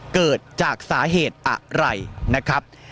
เกิดจากสาเหตุอะไรนะครับ